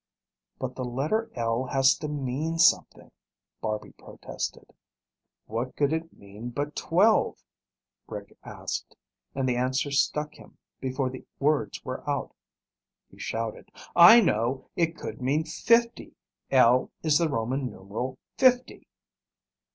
"But the letter L has to mean something," Barby protested. "What could it mean but twelve?" Rick asked, and the answer struck him before the words were out. He shouted, "I know! It could mean fifty! L is the Roman numeral fifty."